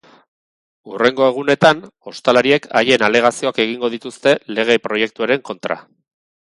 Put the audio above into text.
Hurrengo egunetan ostalariek haien alegazioak egingo dituzte lege proiektuaren kontra.